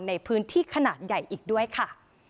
ในพื้นที่ขนาดใหญ่อีกด้วยค่ะ